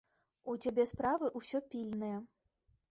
У цябе справы ўсё пільныя.